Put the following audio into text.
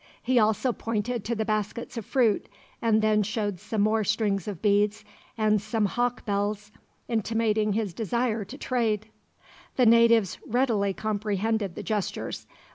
He also pointed to the baskets of fruit, and then showed some more strings of beads, and some hawk bells, intimating his desire to trade. The natives readily comprehended the gestures.